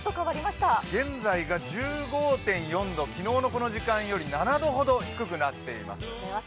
現在が１５．４度、昨日のこの時間より７度ほど低くなっています。